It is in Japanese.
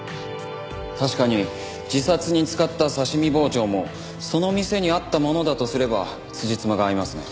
確かに自殺に使った刺し身包丁もその店にあったものだとすればつじつまが合いますね。